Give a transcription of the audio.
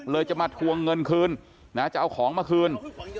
จะมาทวงเงินคืนนะจะเอาของมาคืน